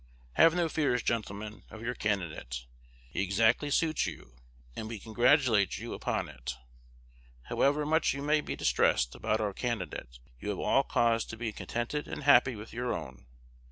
Have no fears, gentlemen, of your candidate: he exactly suits you, and we congratulate you upon it. However much you may be distressed about our candidate, you have all cause to be contented and happy with your own.